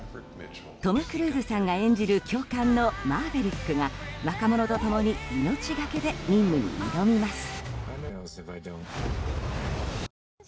トム・クルーズさんが演じる教官のマーヴェリックが若者と共に命がけで任務に挑みます。